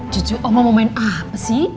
cucu oh mau main apa sih